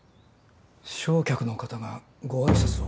正客の方がご挨拶を。